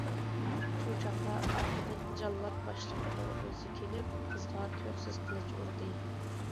شۇ چاغدا، ئارقىدىن جاللات باشلىقىنىڭ ئۆزى كېلىپ، قىزغا تۇيۇقسىز قىلىچ ئۇردى.